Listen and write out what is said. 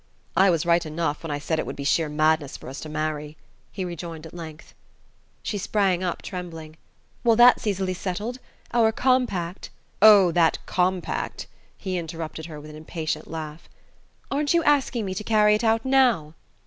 "I was right enough when I said it would be sheer madness for us to marry," he rejoined at length. She sprang up trembling. "Well, that's easily settled. Our compact " "Oh, that compact " he interrupted her with an impatient laugh. "Aren't you asking me to carry it out now?"